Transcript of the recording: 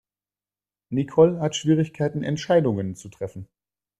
Nicole hat Schwierigkeiten Entscheidungen zu treffen.